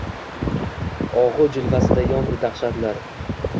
Og’u jilvasida yondi dahshatlar